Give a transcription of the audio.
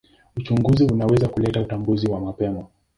Uchunguzi unaweza kuleta utambuzi wa mapema.